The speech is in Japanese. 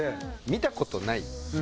「見たことない」。